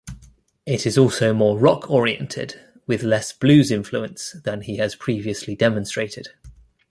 It is also more rock-oriented, with less blues influence than he has previously demonstrated.